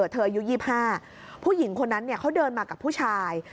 อายุ๒๕ผู้หญิงคนนั้นเขาเดินมากับผู้ชาย